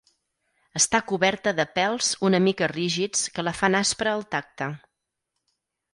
Està coberta de pèls una mica rígids que la fan aspra al tacte.